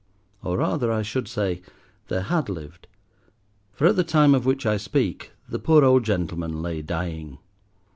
Or rather, I should say, there had lived, for at the time of which I speak the poor old gentleman lay dying.